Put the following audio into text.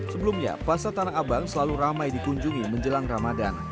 sebelumnya pasar tanah abang selalu ramai dikunjungi menjelang ramadan